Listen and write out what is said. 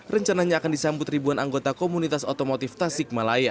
rencananya akan disambut ribuan anggota komunitas otomotif tasik malaya